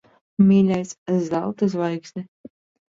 Mīļais! Zelta zvaigzne.